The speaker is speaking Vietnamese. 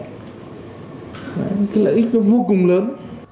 cái lợi ích nó vô cùng lớn